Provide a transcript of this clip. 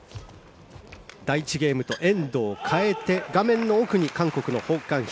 第１ゲームとエンドを変えて画面の奥に韓国のホ・グァンヒ。